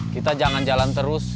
kita jangan jalan terus